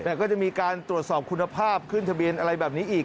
แต่ก็จะมีการตรวจสอบคุณภาพขึ้นทะเบียนอะไรแบบนี้อีก